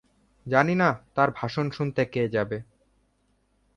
জানিনা তার ভাষণ শুনতে কে যাবে?